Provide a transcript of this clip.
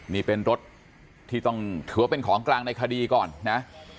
นี่เป็นรถที่ต้องถือว่าเป็นของกลางในคดีก่อนนะ